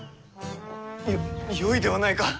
よよいではないか。